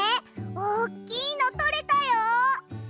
おっきいのとれたよ！